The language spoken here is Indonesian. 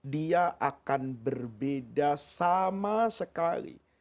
dia akan berbeda sama sekali